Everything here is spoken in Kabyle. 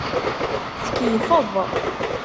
Tkeyyfeḍ.